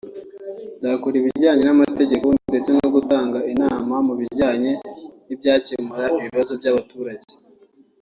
nzakora ibijyanye n’amategeko ndetse no gutanga inama mu bijyanye n’ibyakemura ibibazo by’abaturage